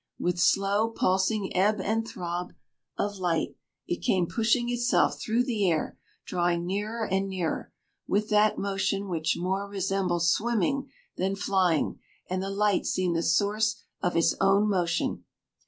With slow pulsing ebb and throb of light, it came pushing itself through the air, drawing nearer and nearer, with that motion which more resembles swimming than flying, and the light seemed the source of its own motion.